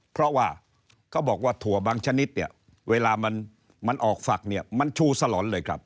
เพราะว่าเขาบอกว่าถั่วบางชนิดเนี่ยเวลามันออกฝักเนี่ยมันชูสลอนเลยครับ